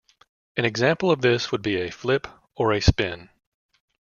An example of this would be a flip, or a spin.